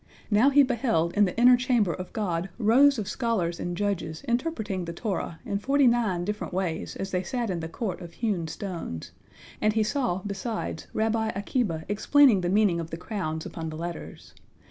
Now he beheld in the inner chamber of God rows of scholars and judges interpreting the Torah in forty nine different ways as they sat in the court of hewn stones; and he saw, besides, Rabbi Akiba explaining the meaning of the crowns upon the letters.